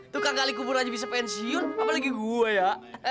tukang kali kuburan bisa pensiun apalagi gue ya